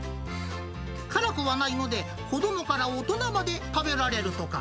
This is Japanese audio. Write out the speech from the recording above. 辛くはないので、子どもから大人まで食べられるとか。